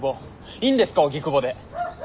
いいんですか荻窪で。